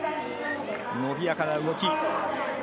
伸びやかな動き。